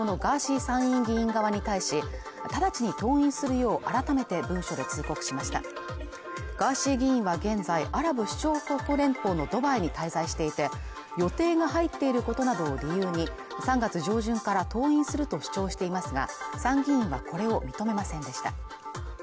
参院議員側に対し直ちに登院するよう改めて文書で通告しましたガーシー議員は現在アラブ首長国連邦のドバイに滞在していて予定が入っていることなどを理由に３月上旬から登院すると主張していますが参議院はこれを認めませんでした